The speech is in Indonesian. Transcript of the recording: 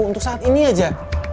untuk saat ini aja